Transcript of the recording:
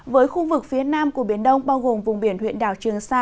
với khu vực phía nam của biển đông bao gồm vùng biển huyện đảo trường sa